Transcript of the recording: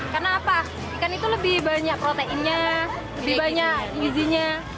karena apa ikan itu lebih banyak proteinnya lebih banyak izinya